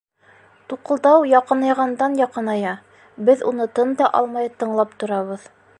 Туҡылдау яҡынайғандан-яҡыная, беҙ уны тын да алмай тыңлап торабыҙ.